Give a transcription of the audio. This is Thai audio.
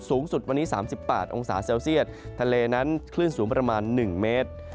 สูงสุดวันนี้๓๘องศาเซลเซียตทะเลนั้นคลื่นสูงประมาณ๑เมตร